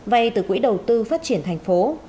vay từ quỹ đầu tư phát triển thành phố